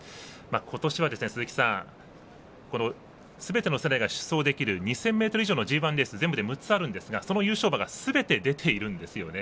今年はすべての世代が出走できる２０００ｍのレース全部で６つあるんですがその優勝馬がすべて出ているんですよね。